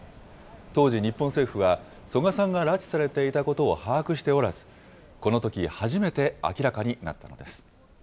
当時、日本政府は、曽我さんが拉致されていたことを把握しておらず、このとき初めて、明らかになったんです。